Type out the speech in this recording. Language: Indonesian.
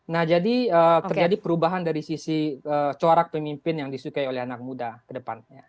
nah jadi terjadi perubahan dari sisi corak pemimpin yang disukai oleh anak muda ke depannya